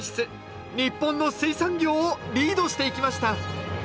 日本の水産業をリードしていきました